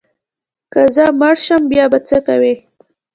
که زه مړ شم بیا به څه کوې؟